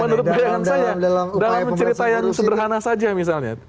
menurut bayangan saya dalam cerita yang sederhana saja misalnya